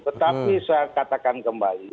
tetapi saya katakan kembali